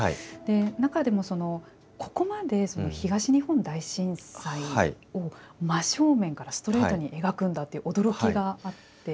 中でも、ここまで東日本大震災を真正面からストレートに描くんだっていう驚きがあって。